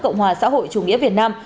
cộng hòa xã hội chủ nghĩa việt nam